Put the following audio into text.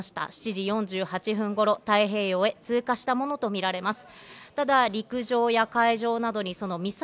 ７時４８分頃太平洋へ通過したものとみられます。